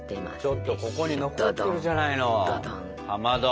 ちょっとここに残ってるじゃないのかまど。